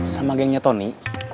sama gengnya tony